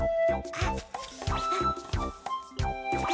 あっ！